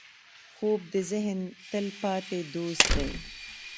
خوب د ذهن تلپاتې دوست دی